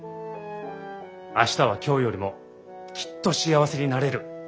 明日は今日よりもきっと幸せになれる。